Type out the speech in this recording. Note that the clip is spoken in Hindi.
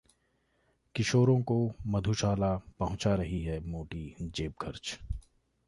किशोरों को 'मधुशाला' पहुंचा रही है मोटी जेबखर्च